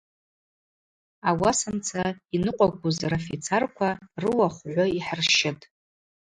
Ауасамца йныкъваквуз рафицарква рыуа хвгӏвы йхӏырщытӏ.